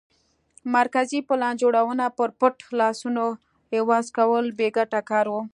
مرکزي پلان جوړونه پر پټ لاسونو عوض کول بې ګټه کار و